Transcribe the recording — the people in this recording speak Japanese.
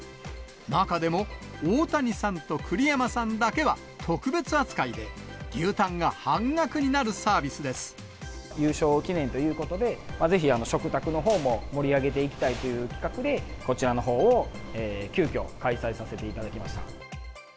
中でも大谷さんと栗山さんだけは特別扱いで、優勝記念ということで、ぜひ食卓のほうも盛り上げていきたいという企画で、こちらのほうを急きょ、開催させていただきました。